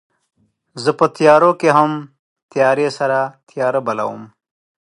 زه په تیارو کې هم تیارې سره تیارې بلوم